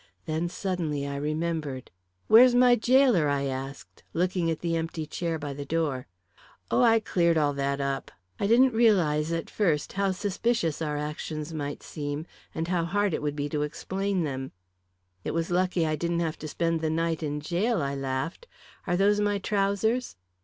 Then suddenly I remembered. "Where's my jailer?" I asked, looking at the empty chair by the door. "Oh, I cleared all that up. I didn't realise at first how suspicious our actions might seem, and how hard it would be to explain them." "It was lucky I didn't have to spend the night in jail," I laughed. "Are those my trousers?"